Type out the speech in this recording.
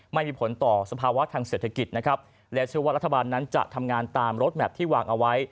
ไม่มีผลต่อสภาวะทางเศรษฐกิจนะครับและเชื่อว่ารัฐบาลนั้นจะทำงานตามรถแมพที่วางเอาไว้